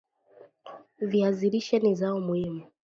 Viazi lishe ni zao muhimu